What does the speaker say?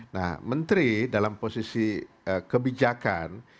nah menteri dalam posisi kebijakan